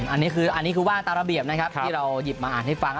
อันนี้คือว่าระเบียบที่เราหยิบมาอ่านให้ฟัง